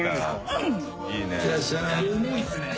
いいね。